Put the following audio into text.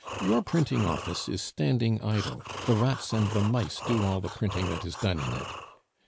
Your printing office is standing idle. The rats and the mice do all the printing that is done in it.